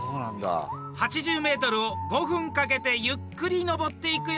８０ｍを５分かけてゆっくり上っていくよ。